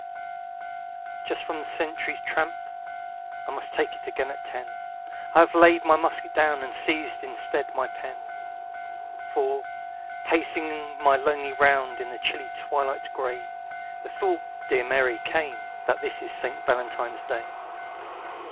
Just from the sentry's tramp (I must take it again at ten), I have laid my musket down, And seized instead my pen; For, pacing my lonely round In the chilly twilight gray, The thought, dear Mary, came, That this is St. Valentine's Day.